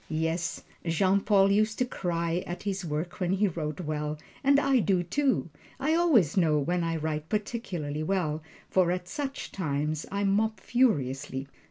Yes, Jean Paul used to cry at his work when he wrote well, and I do, too. I always know when I write particularly well, for at such times I mop furiously.